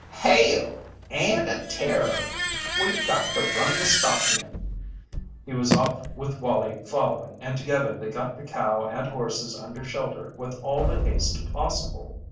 "Hail! And a terror! We've got to run the stock in." He was off with Wallie following and together they got the cow and horses under shelter with all the haste possible.